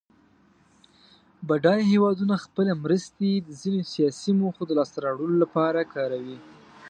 بډایه هېوادونه خپلې مرستې د ځینو سیاسي موخو د لاس ته راوړلو لپاره کاروي.